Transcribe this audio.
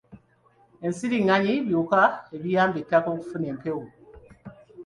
Ensiringanyi biwuka ebiyamba ettaka okufuna empewo.